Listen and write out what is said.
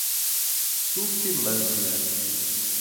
Tufilândia